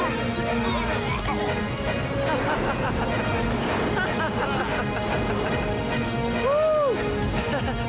oh ini apakah itu